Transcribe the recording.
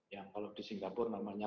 yang kalau di singapura namanya